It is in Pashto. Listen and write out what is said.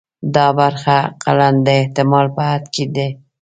دا برخه اقلاً د احتمال په حد کې ده.